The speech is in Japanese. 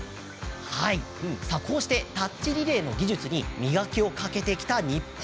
こうして、タッチリレーの技術に磨きをかけてきた日本チーム。